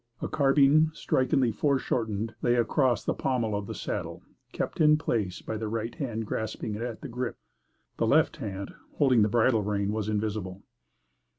A carbine, strikingly foreshortened, lay across the pommel of the saddle, kept in place by the right hand grasping it at the "grip"; the left hand, holding the bridle rein, was invisible.